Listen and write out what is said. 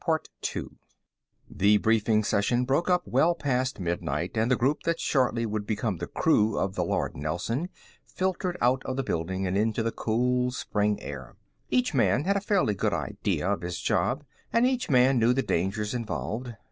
The briefing session broke up well past midnight, and the group that shortly would become the crew of the Lord Nelson filtered out of the building and into the cool spring air. Each man had a fairly good idea of his job and each man knew the dangers involved.